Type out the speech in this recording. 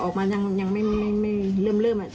เป็นคนอารมณ์ร้อนไหมพี่รอดอารมณ์ร้อนไหม